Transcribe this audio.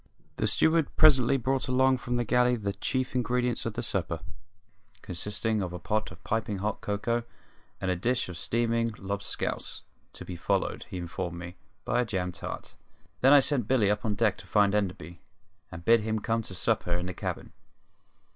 The steward presently brought along from the galley the chief ingredients of the supper, consisting of a pot of piping hot cocoa and a dish of steaming "lobscouse", to be followed, he informed me, by a jam tart. Then I sent Billy up on deck to find Enderby and bid him come to supper in the cabin.